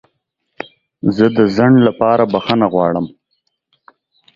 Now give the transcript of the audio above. زه د ځنډ لپاره بخښنه غواړم.